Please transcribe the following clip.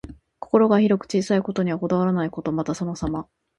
心が広く、小さいことにはこだわらないこと。また、そのさま。